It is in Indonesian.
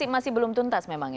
masih belum tuntas memang ya